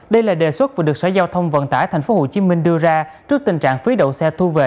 đây là đề xuất vừa được sở giao thông vận tải tp hcm đưa ra trước tình trạng phí đậu xe thu về